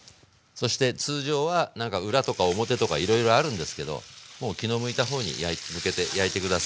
そして通常はなんか裏とか表とかいろいろあるんですけどもう気の向いた方に向けて焼いて下さい。